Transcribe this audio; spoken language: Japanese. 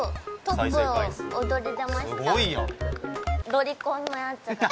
ロリコンのやつが。